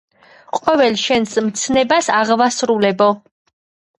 ყოველ შენს მცნებას აღვასრულებო